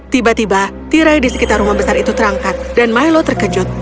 tiba tiba tirai di sekitar rumah besar itu terangkat dan milo terkejut